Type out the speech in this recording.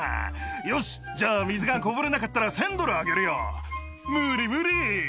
「よしじゃあ水がこぼれなかったら１０００ドルあげるよ無理無理！」